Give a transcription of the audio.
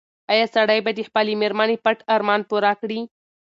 ایا سړی به د خپلې مېرمنې پټ ارمان پوره کړي؟